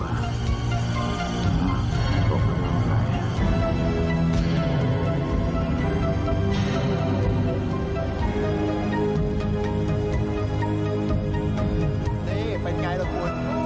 นี่เป็นอย่างไรนะคุณ